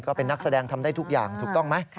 ก็เป็นนักแสดงทำได้ทุกอย่างถูกต้องไหม